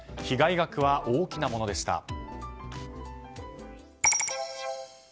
被害額は大きなものでした。